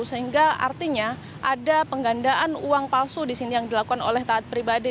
sehingga artinya ada penggandaan uang palsu di sini yang dilakukan oleh taat pribadi